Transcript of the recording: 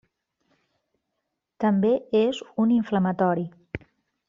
També és un inflamatori.